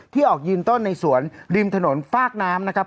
ที่ออกยิ่มต้นในสวนริมถนนฟ้ากน้ำ